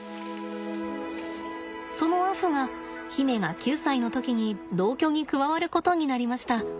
そのアフが媛が９歳の時に同居に加わることになりました。